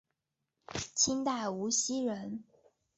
清代无锡人。